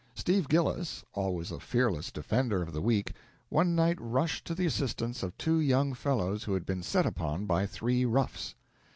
Steve Gillis, always a fearless defender of the weak, one night rushed to the assistance of two young fellows who had been set upon by three roughs.